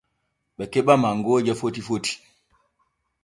Ɓe keɓa mangooje foti foti.